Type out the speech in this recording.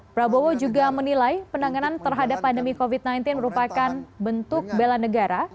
prabowo juga menilai penanganan terhadap pandemi covid sembilan belas merupakan bentuk bela negara